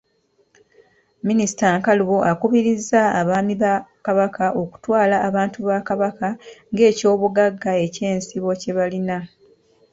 Minisita Nkalubo akubirizza abaami ba Kabaka okutwala abantu Kabaka ng'ekyobugagga eky'ensibo kye balina.